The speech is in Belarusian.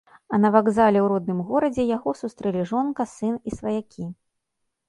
А на вакзале ў родным горадзе яго сустрэлі жонка, сын і сваякі.